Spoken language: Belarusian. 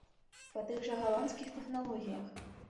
Па тых жа галандскіх тэхналогіях.